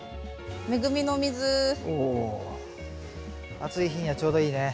暑い日にはちょうどいいね。